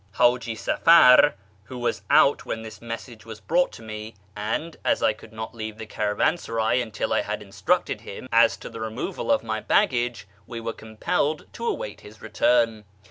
Hciji Safar was out when this message was brought to me, A YEZD 367 and, as I could not leave the caravansaray until I had instructed him as to the removal of my baggage, we were compelled to await his return.